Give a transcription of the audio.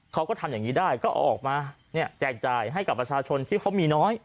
เขาก็ทำอย่างนี้ได้ก็ออกมาแจกจ่ายให้กับประชาชนที่เขามีน้อย